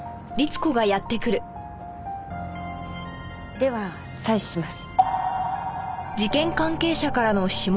では採取します。